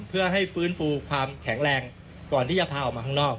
เพื่อให้ฟื้นฟูความแข็งแรงก่อนที่จะพาออกมาข้างนอก